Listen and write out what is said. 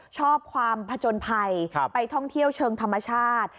ชอบความผจญภัยไปท่องเที่ยวเชิงธรรมชาติ